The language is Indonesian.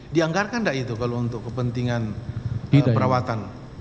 dianggarkan tidak itu kalau untuk kepentingan perawatan